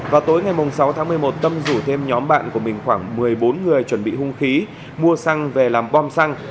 vào tối ngày sáu tháng một mươi một tâm rủ thêm nhóm bạn của mình khoảng một mươi bốn người chuẩn bị hung khí mua xăng về làm bom xăng